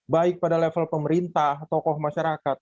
baik pada level pemerintah tokoh masyarakat